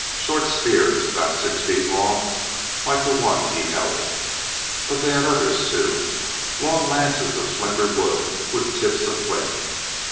Short spears, about six feet long, like the one he held. But they had others, too long lances of slender wood with tips of flint.